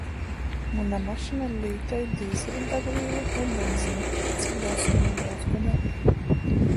Muna mašyna lītoj dizeļdagvīlu voi benzinu. Cik daudz Tu nūbrauc godā?